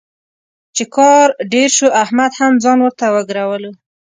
چې کار ډېر شو، احمد هم ځان ورته وګرولو.